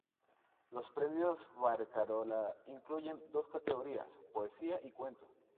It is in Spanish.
Los Premios Barcarola incluyen dos categorías: poesía y cuento.